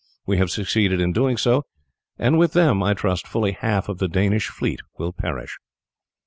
We have succeeded in doing so, and with them I trust fully half of the Danish fleet will perish."